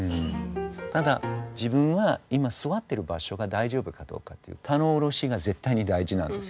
ただ自分は今座ってる場所が大丈夫かどうかという棚卸しが絶対に大事なんですよね。